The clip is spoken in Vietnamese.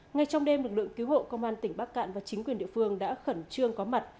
ngay trong đêm lực lượng cứu hộ công an tỉnh bắc cạn và chính quyền địa phương đã khẩn trương có mặt